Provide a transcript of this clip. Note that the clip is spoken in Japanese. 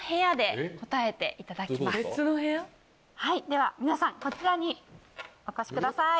では皆さんこちらにお越しください。